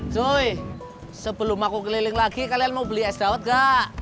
joy sebelum aku keliling lagi kalian mau beli es dawet gak